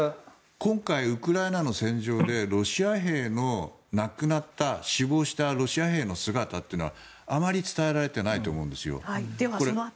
今回、ウクライナの戦場でロシア兵の亡くなった死亡したロシア兵の姿というのはあまり伝えられてないと思うんですよ。